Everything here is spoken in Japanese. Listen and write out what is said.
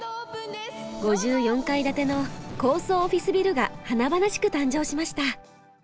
５４階建ての高層オフィスビルが華々しく誕生しました。